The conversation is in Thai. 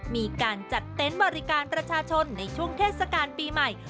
มีการจัดเต็นต์บริการประชาชนในช่วงเทศกาลปีใหม่